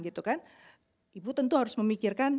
ibu tentu harus memikirkan